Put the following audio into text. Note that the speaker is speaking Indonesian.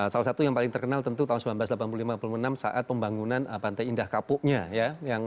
salah satu yang paling terkenal tentu tahun seribu sembilan ratus delapan puluh lima puluh enam saat pembangunan pantai indah kapuknya ya